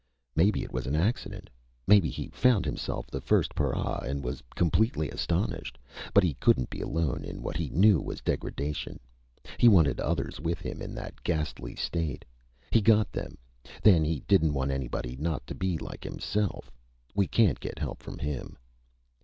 "Maybe it was an accident. Maybe he found himself the first para and was completely astonished. But he couldn't be alone in what he knew was degradation. He wanted others with him in that ghastly state. He got them. Then he didn't want anybody not to be like himself.... We can't get help from him!"